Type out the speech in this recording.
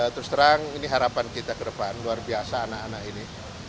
terus terang ini harapan kita ke depan luar biasa anak anak ini